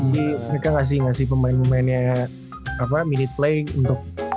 jadi mereka ngasih pemain pemainnya apa minute play untuk